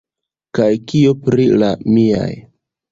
Kaj kio pri la miaj?